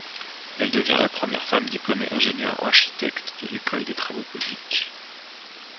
Elle devient la première femme diplômée ingénieur architecte de l'École des Travaux Publics.